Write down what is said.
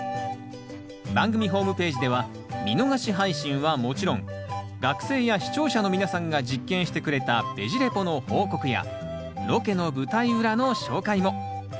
番組ホームページでは見逃し配信はもちろん学生や視聴者の皆さんが実験してくれた「ベジ・レポ」の報告やロケの舞台裏の紹介も。